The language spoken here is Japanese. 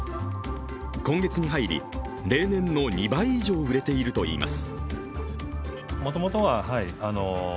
今月に入り、例年の２倍以上売れているといいます。